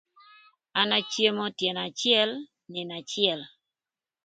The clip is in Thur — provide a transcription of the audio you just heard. An acemo tyën acël nïnö acël.